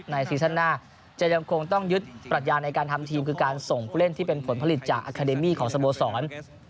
ซีซั่นหน้าจะยังคงต้องยึดปรัชญาในการทำทีมคือการส่งผู้เล่นที่เป็นผลผลิตจากอาคาเดมี่ของสโมสร